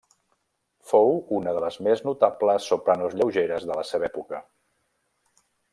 Fou una les més notables sopranos lleugeres de la seva època.